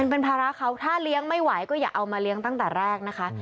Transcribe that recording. เป็นภาระเขาถ้าเลี้ยงไม่ไหวก็อย่าเอามาเลี้ยงตั้งแต่แรกนะคะ